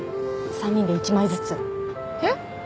３人で１枚ずつえっ？